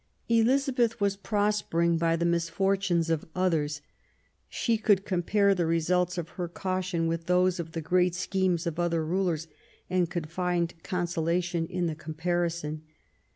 Elizabeth was prospering by the misfortunes of others. She could compare the results of her caution with those of the great schemes of other rulers, and could find consolation in the comparison.